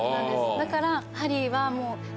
だからハリーは。